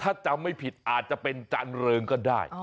ถ้าจำไม่ผิดอาจจะเป็นจานเริงก็ได้